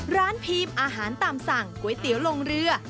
พีมอาหารตามสั่งก๋วยเตี๋ยวลงเรือ